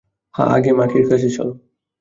হ্যাঁ, আগে মাকির কাছে চলো।